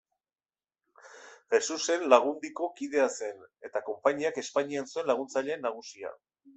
Jesusen Lagundiko kidea zen, eta konpainiak Espainian zuen Laguntzaile Nagusia.